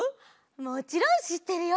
もちろんしってるよ。